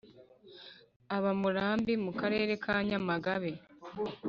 Aba Murambi mu Karere ka Nyamagabe.